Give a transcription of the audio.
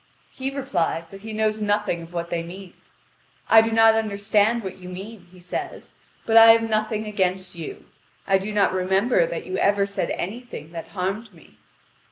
He replies that he knows nothing of what they mean. "I do not understand what you mean," he says; "but I have nothing against you. I do not remember that you ever said anything that harmed me."